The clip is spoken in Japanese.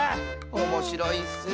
おもしろいッス！